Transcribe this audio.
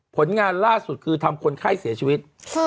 ผลงานล่าสุดคือทำคนไข้เสียชีวิต